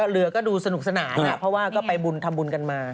เรือก็ดูสนุกสนานเพราะว่าก็ไปบุญทำบุญกันมา